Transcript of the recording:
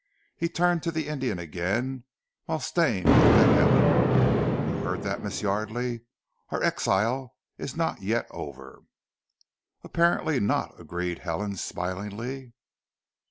He turned to the Indian again, whilst Stane looked at Helen. "You heard that, Miss Yardely? Our exile is not yet over." "Apparently not," agreed Helen smilingly.